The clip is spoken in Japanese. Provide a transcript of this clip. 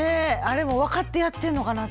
あれも分かってやってんのかな？